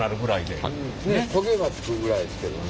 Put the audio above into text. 焦げがつくぐらいですけどね。